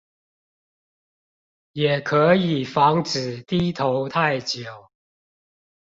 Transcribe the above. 也可以防止低頭太久